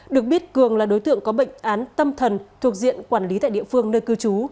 được biết cường là đối tượng có bệnh án tâm thần thuộc diện quản lý tại địa phương nơi cư trú